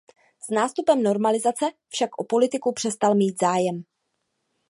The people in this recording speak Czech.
S nástupem normalizace však o politiku přestal mít zájem.